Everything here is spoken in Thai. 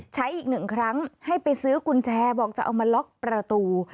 อีกหนึ่งครั้งให้ไปซื้อกุญแจบอกจะเอามาล็อกประตู